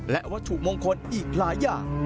และวัตถุมงคลอีกหลายอย่าง